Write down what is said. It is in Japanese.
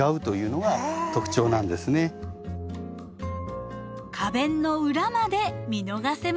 花弁の裏まで見逃せません。